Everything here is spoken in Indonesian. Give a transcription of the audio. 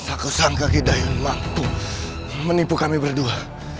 aku sangka gidayun mampu menipu kami berdua